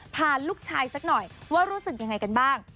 พาลูกชายสักหน่อยว่ารู้สึกยังไงกันบ้าง